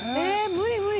無理無理！